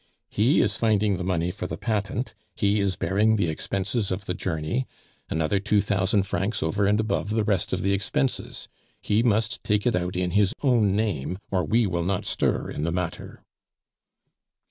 "He is finding the money for the patent; he is bearing the expenses of the journey another two thousand francs over and above the rest of the expenses. He must take it out in his own name, or we will not stir in the matter."